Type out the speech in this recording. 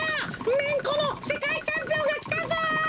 めんこのせかいチャンピオンがきたぞ！